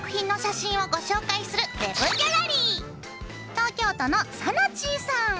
東京都のさなちんさん。